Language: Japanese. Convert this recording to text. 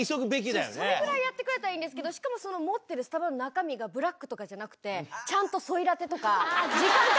それぐらいやってくれたらいいんですけどしかもその持ってるスタバの中身がブラックとかじゃなくてちゃんと。